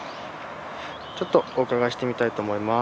ちょっとお伺いしてみたいと思います。